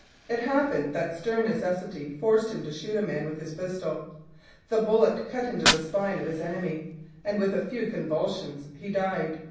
It happened that stern necessity forced him to shoot a man with his pistol. The bullet cut through his enemy, and with a few convulsions he died.